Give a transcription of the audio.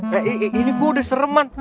gini gue udah sereman